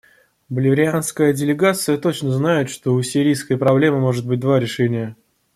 Боливарианская делегация точно знает, что у сирийской проблемы может быть два решения.